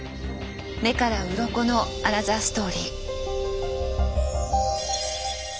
目からうろこのアナザーストーリー。